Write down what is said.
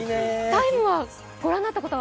「ＴＩＭＥ，」はご覧になったこと？